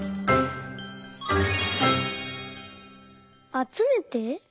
「あつめて」？